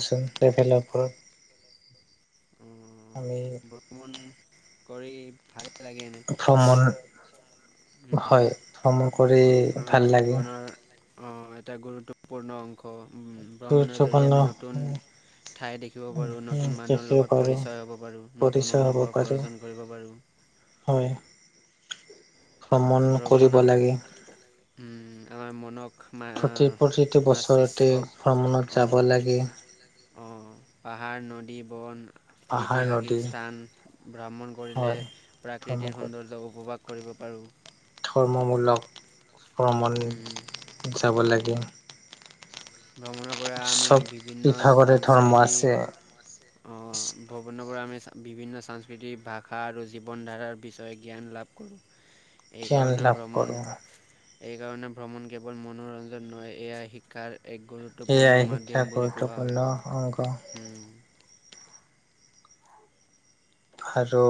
আচোন তেৱেলেৰ ওপৰত- অ আমি ভ্ৰমণ কৰি ভাল ভ্ৰমণ হয় ভ্ৰমণ কৰি মোৰ ভাল লাগে জীৱনৰ আহ এটা গুৰুত্বপূৰ্ণ অংশ ভ্ৰমণৰ জৰিয়তে গুৰুত্বপূৰ্ণ আমি নতুন ঠাই দেখিব পাৰো নতুন মানুহৰ দেখিব লগত পাৰোঁ পৰিচয় হ'ব পাৰো নতুন পৰিচয় হ'ব অনুভৱ পাৰোঁ অৰ্জন কৰিব পাৰো। হয় ভ্ৰমণ ভ্ৰমণ কৰিব লাগে। উম, আমাৰ মনক মা প্ৰতি প্ৰতিটো বছৰতে মস্তিষ্কক ভ্ৰমণত যাব অ' লাগে অ', পাহাৰ নদী বন পাহাৰ ঐতিহাসিক নদী স্থান ভ্ৰমণ কৰিলে হয় ভ্ৰমণ প্ৰাকৃতিক কৰি সৌন্দৰ্য উপভাস কৰিব পাৰোঁ ধৰ্মমূলক ভ্ৰমণ উম, যাব লাগে ভ্ৰমণৰ পৰা আমি চব বিভিন্ন বিভাগৰে ধৰ্ম সাংস্কৃতি আছে অ ভ্ৰমণৰ পৰা আমি বিভিন্ন সংস্কৃতিক ভাষা আৰু জীৱন ধাৰাৰ বিষয়ে জ্ঞান লাভ কৰোঁ। ধ্যান এইকাৰণে লাভ ভ্ৰমণ কৰোঁ। এইকাৰণে ভ্ৰমণ কেৱল মনোৰঞ্জন নহয় এয়া শিক্ষাৰ। এক সেয়াই গুৰুত্বপূৰ্ণ শিক্ষা মাধ্যম বুলি কোৱা গুৰুত্বপূৰ্ণ অংগ হয় আৰু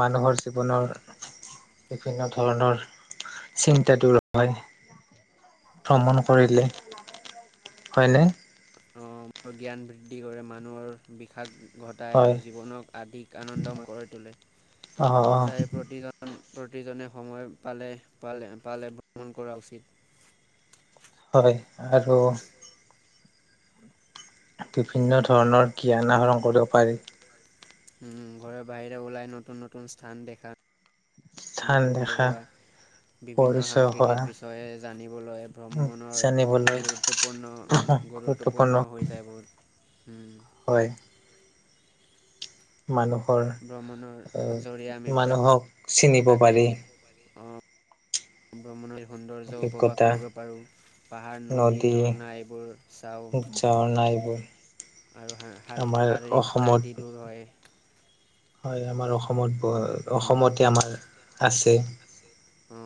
মানুহৰ জীৱনৰ বিভিন্ন ধৰণৰ চিন্তা দূৰ হয়। ভ্ৰমণ কৰিলে হয় নে। জ্ঞান বৃদ্ধি কৰে মানুহৰ বিষাদ- ঘটায় হয় আৰু জীৱনক আধিক আনন্দ কৰি তোলে অ অ তাই প্ৰতিজন প্ৰতিজনে সময় পালে পালে পালে ভ্ৰমণ কৰা উচিত হয় আৰু বিভিন্ন ধৰণৰ জ্ঞান আহৰণ কৰিব পাৰি উম ঘৰৰ বাহিৰে ওলাই নতুন নতুন স্থান দেখা স্থান নতুন দেখা লগোৱা। বিভিন্ন পৰিচয় হোৱা সাংস্কৃতিক বিষয়ে জানিবলৈ ভ্ৰমণৰ জানিবলৈ গুৰুত্বপূৰ্ণ গুৰুত্বপূৰ্ণ হৈ যায় বোৰ উম'। হয় মানুহৰ ভ্ৰমণৰ জৰিয়ে আমি মানুহক চিনিব পাৰি। ব্ৰমণৰ সৌন্দৰ্য উপবাস অভিজ্ঞতা কৰিব পাৰোঁ পাহাৰ নদী ঝৰ্ণা এইবোৰ চাওঁ। ঝৰ্ণা এইবোৰ আৰু শাৰী আমাৰ শাৰীৰিক ক্লান্তি অসমত দূৰ হয় হয় আমাৰ অসমত গড় উম অসমতে আমাৰ আছে অ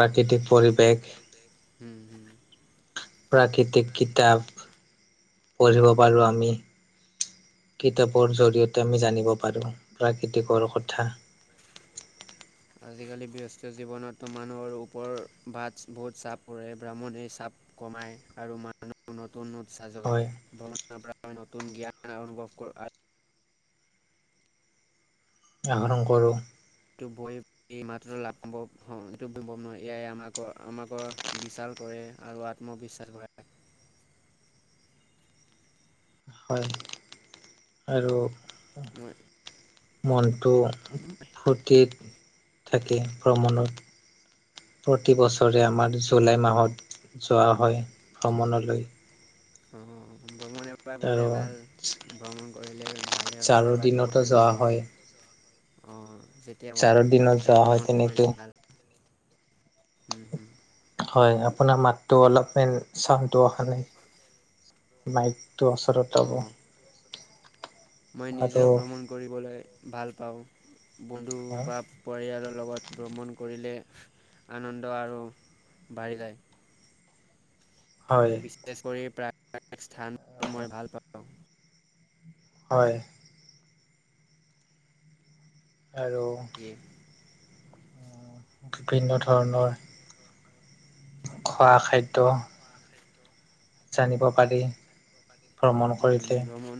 প্ৰাকৃতিক পৰিৱেশ হম' হম' প্ৰাকৃতিক কিতাপ পঢ়িব পাৰোঁ আমি কিতাপৰ জৰিয়তে আমি জানিব পাৰো প্ৰাকৃতিকৰ কথা [inaudible] আজিকালি ব্যস্ত জীৱনতো মানুহৰ ওপৰত বাৰ্টবোৰৰ বহুত চাপ পৰে ব্ৰাহ্মণে চাপ। কমায় আৰু মানুহত উন্নতি নতুন উচাহ হয় যোগায় নতুন জ্ঞান অনুভৱ কৰ আহৰণ কৰোঁ এইটো বৈ এই মাত্ৰ লাভ এইটো নোৱাৰ এয়াই আমাক আমাকৰ বিশাল কৰে। কৰে আৰু আত্মবিশ্বাস গঢ়াই [inaudible] হয় আৰু মই মনটো ফূৰ্তিত থাকে ভ্ৰমণত প্ৰতিবছৰে আমাৰ জুলাই মাহত যোৱা হয় ভ্ৰমণলৈ অ ভ্ৰমণ এবাৰ গ'লে আৰু ভাল ভ্ৰমণ কৰিলে ভালেই হয় জাৰৰ এবোৰটো দিনতো কৰিব যোৱা লাগে। হয় অঁ যেতিয়া বন্ধ জাৰৰ হয় দিনত তেতিয়া যোৱা ভ্ৰমণ কৰিলে তেনেকে ভাল। হম' হম' হয় আপোনাৰ মাতটো অলপমান চাউণ্ডটো অহা নাই মাইক অঁ মই আৰু নিজেও ভ্ৰমণ কৰিবলৈ ভাল পাওঁ। বন্ধু বা পৰিয়ালৰ- লগত ভ্ৰমণ কৰিলে আনন্দ আৰু বাঢ়ি যায় হয় বিশেষ কৰি প্ৰায় স্থান মই ভাল পাওঁ হয় আৰু দিয়ে বিভিন্ন ধৰণৰ খোৱা খাদ্য জানিব পাৰি ভ্ৰমণ কৰিলে। উম, ভ্ৰমণ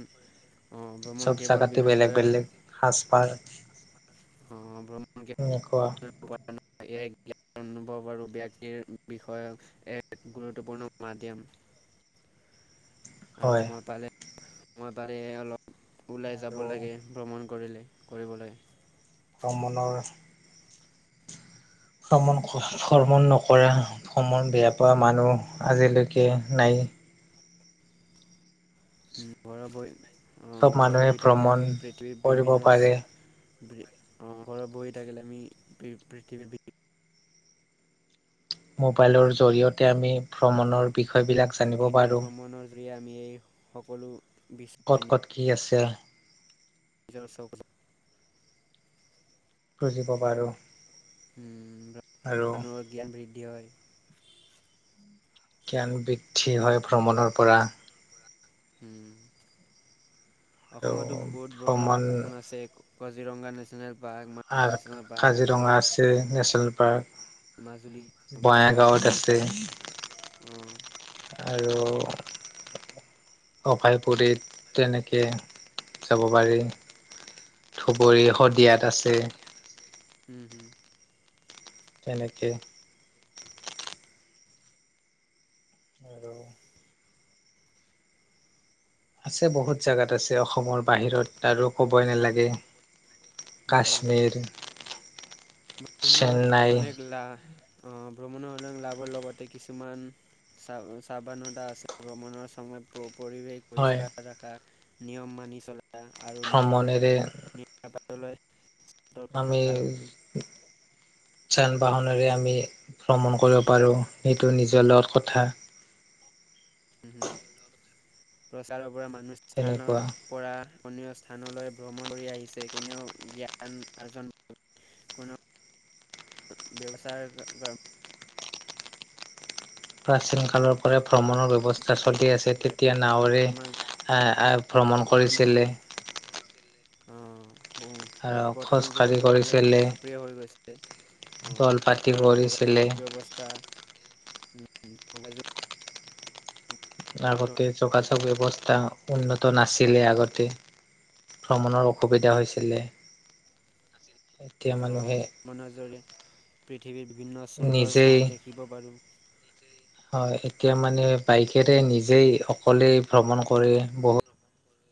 অঁ ভ্ৰমণ চব কেৱল জেগাতে বেলেগ বিনন্দৰ বেলেগ সাজ পাৰ। কেনেকুৱা চাগে জ্ঞান অনুভৱ আৰু ব্যক্তিৰ বিষয়ে এক গুৰুত্বপূৰ্ণ মাধ্যম [inaudible] আৰু হয় সময় পালে সময় পালে অলপ ওলাই আৰু যাব লাগে ভ্ৰমণ কৰিলে কৰিবলৈ ভ্ৰমণৰ ভ্ৰমণ ভ্ৰমণ নকৰা ভ্ৰমণ বেয়া পোৱা মানুহ আজিলৈকে নাই উম বৰাবৰ এ চব মানুহে ভ্ৰমণ কৰিব বিভিন্ন পাৰে। ঘৰত বহি থাকিলে আমি পৃথিৱী মোবাইলৰ জৰিয়তে আমি ভ্ৰমণৰ বিষয় বিলাক কিন্তু ভ্ৰমণৰ জৰিয়ে আমি এই সকলো বিচ ক'ত ক'ত [unintelligible] নিজৰ চখ [unintelligible] বুজি পাবা আৰু উম মানুহৰ জ্ঞান বৃদ্ধি হয় জ্ঞান বৃদ্ধি হয় ভ্ৰমণৰ পৰা উম' আৰু অসমতো বহুত ভ্ৰমণ ভ্ৰমন আছে। কাজিৰংগা নেশ্যনেল পাৰ্ক মানাস আৰু নেশ্যনেল পাৰ্ক কাজিৰঙা আছে নেচাৰেল পাৰ্ক। মাজুলী বিখ্যাত বঙাইগাঁৱত আছে ব্ৰহ্মস্থান অহ', অভায়পুৰীত তেনেকে যাব পাৰি। ধুবুৰী শদিয়াত আছে হম হম কেনেকে? আৰু আছে বহুত জেগাত আছে অসমৰ বাহিৰত আৰু ক'বই নালাগে। কাশ্মীৰ। ভ্ৰমনৰ চেন্নাই অনেক লা অহ ভ্ৰমণৰ লাভৰ লগতে কিছুমানাৱ সাৱধানতা আছে ভ্ৰমণৰ সময়ত প্ৰ পৰিৱেশ হয় পৰিষ্কাৰ ৰখা, নিয়ম মানি চলা আৰু নিজৰ ভ্ৰমণেৰে [unintelligible] থকা আমিৰ যান বাহনেৰে আমি ভ্ৰমণ কৰিব পাৰো সেইটো নিজৰ লগত কথা [unintelligible] প্ৰচাৰৰ পৰা মানুহ স্থানৰ তেনেকুৱা পৰা অন্য স্থানলৈ ভ্ৰমণ কৰি আহিছে কোনেও জ্ঞান আৰ্জন কৰিব কোনো ব্যৱসায় প্ৰাচীন কালৰ পৰা ভ্ৰমণৰ ব্যৱস্থা কৰে চলি আছে তেতিয়া নাৱৰে বৰ্তমান এ এ ভ্ৰমণ কৰিছিলে আৰু অহ', বৰ্তমান খোজকাঢ়ি যুগতো কৰিছিলে জনপ্ৰিয় হৈ গৈছে। অঁ দল পাতি কাৰণ কৰিছিলে যোগাযোগ ব্যৱস্থা যোগাযোগ অ আগতে যোগাযোগ ব্যৱস্থা উন্নত নাছিলে আগতে ভ্ৰমণৰ অসুবিধা হৈছিলে এতিয়া অহ মানুহে ভ্ৰমণৰ জৰিয়তে পৃথিৱীৰ বিভিন্ন সুন্দৰ নিজেই স্থান দেখিব পাৰো নিজেই হয় এতিয়া মানে বাইকেৰে নিজেই অকলেই ভ্ৰমণ কৰে বহুত